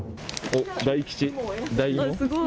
大吉。